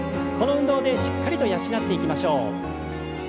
この運動でしっかりと養っていきましょう。